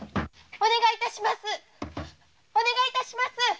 お願い致します